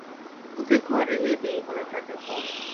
ওকে ঘরে নেবে এই হল তাদের পণ।